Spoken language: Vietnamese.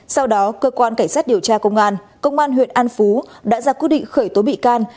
sau đó cơ quan cảnh sát điều tra công an công an huyện an phú đã ra quyết định khởi tố bị can